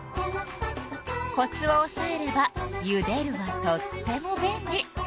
コツをおさえれば「ゆでる」はとっても便利。